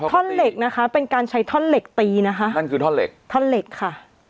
ท่อนเหล็กนะคะเป็นการใช้ท่อนเหล็กตีนะคะนั่นคือท่อนเหล็กท่อนเหล็กค่ะ